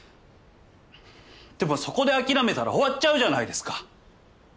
でもそこで諦めたら終わっちゃうじゃないですか。